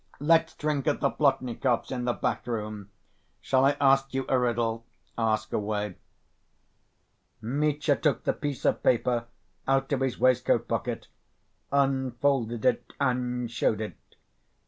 Let's drink at the Plotnikovs', in the back room. Shall I ask you a riddle?" "Ask away." Mitya took the piece of paper out of his waistcoat pocket, unfolded it and showed it.